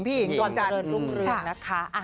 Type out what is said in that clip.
ขนวญเจริญลุกเรืองนะคะ